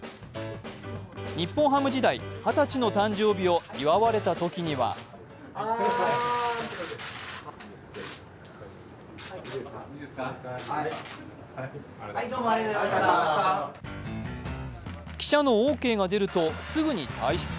日本ハム時代、二十歳の誕生日を祝われたときには記者のオーケーが出るとすぐに退出。